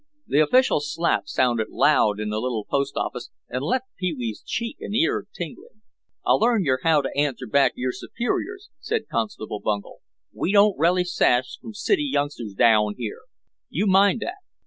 The official slap sounded loud in the little post office and left Pee wee's cheek and ear tingling. "I'll learn yer haow to answer back yer superiors," said Constable Bungel. "We daon't relish sass from city youngsters daown here, you mind that.